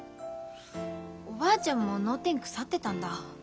おばあちゃんも脳天腐ってたんだ。